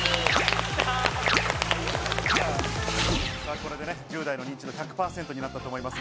これで１０代の認知度１００％になったと思います。